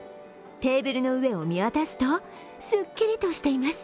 テーブルの上を見渡すとすっきりとしています。